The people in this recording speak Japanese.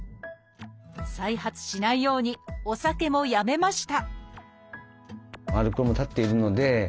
再発しないようにお酒もやめました